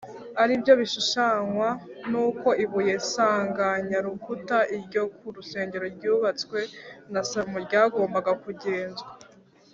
ari byo bishushanywa n’uko ibuye nsanganyarukuta ryo ku rusengero rwubatswe na salomo ryagombaga kugenzwa